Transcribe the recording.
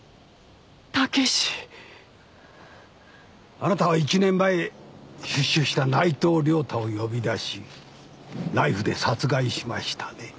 あなたは１年前出所した内藤良太を呼び出しナイフで殺害しましたね。